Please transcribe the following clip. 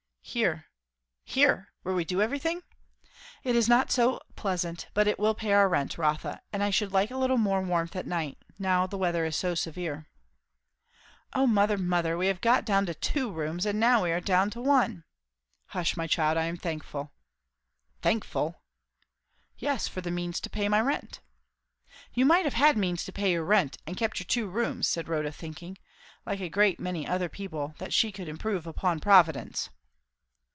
"Here." "Here! Where we do everything! " "It is not so pleasant; but it will pay our rent, Rotha. And I should like a little more warmth at night, now the weather is so severe." "O mother, mother! We have got down to two rooms, and now we are come down to one!" "Hush, my child. I am thankful." "Thankful!" "Yes, for the means to pay my rent." "You might have had means to pay your rent, and kept your two rooms," said Rotha; thinking, like a great many other people, that she could improve upon Providence.